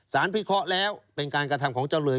สารพิเคราะห์แล้วเป็นการกระทำของเจ้าเรือน